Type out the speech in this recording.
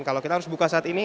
kalau kita harus buka saat ini